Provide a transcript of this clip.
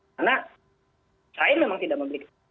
karena saya memang tidak memberikan